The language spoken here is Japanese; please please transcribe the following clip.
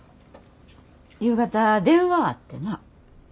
夕方電話あってな。